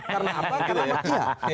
karena apa karena mereka